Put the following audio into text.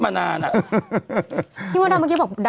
เพราะแต่ใช่ป่ะ